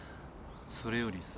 それよりさ。